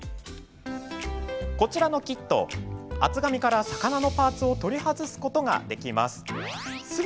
こちらのキット厚紙から、魚のパーツを取り外すことができます。